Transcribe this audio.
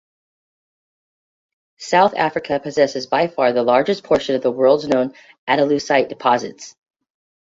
South Africa possesses by far the largest portion of the world's known andalusite deposits.